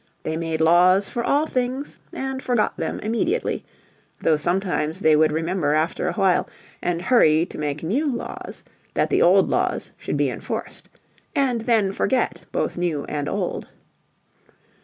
They made laws for all things and forgot them immediately; though sometimes they would remember after a while, and hurry to make new laws that the old laws should be enforced and then forget both new and old.